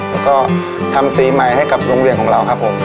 แล้วก็ทำซีใหม่ให้กับโรงเรียนของเราครับผม